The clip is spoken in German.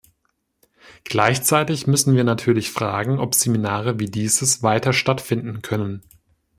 Gleichzeitig müssen wir natürlich fragen, ob Seminare wie dieses weiter stattfinden können.